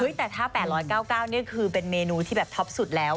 แต่ถ้า๘๙๙นี่คือเป็นเมนูที่แบบท็อปสุดแล้ว